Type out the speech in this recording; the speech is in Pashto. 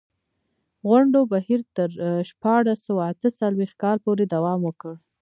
غونډو بهیر تر شپاړس سوه اته څلوېښت کال پورې دوام وکړ.